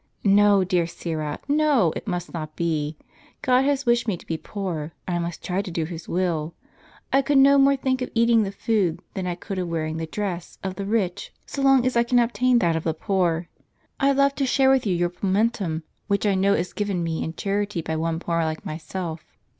" No, dear Syra, no; it must not be. God has wished me to be poor, and I must try to do His will. I could no more think of eating the food, than I could of wearing the dress, of the rich, so long as I can obtain that of the poor. I love to share with you jonr pulmentum* which I know is given me in charity by one poor like myself.